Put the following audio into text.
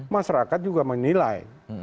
masyarakat juga menilai